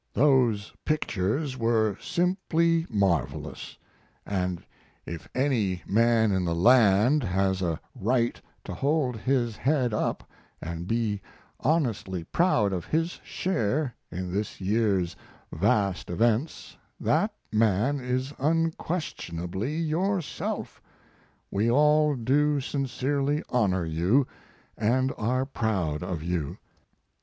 Those pictures were simply marvelous, and if any man in the land has a right to hold his head up and be honestly proud of his share in this year's vast events that man is unquestionably yourself. We all do sincerely honor you, and are proud of you.